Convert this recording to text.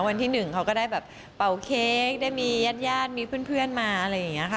วันที่๑เขาก็ได้แบบเป่าเค้กได้มีญาติญาติมีเพื่อนมาอะไรอย่างนี้ค่ะ